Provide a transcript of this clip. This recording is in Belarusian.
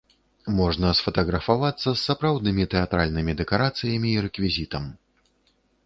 Можна сфатаграфавацца з сапраўднымі тэатральнымі дэкарацыямі і рэквізітам.